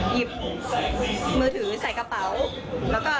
หยิบมือถือใส่กระเป๋า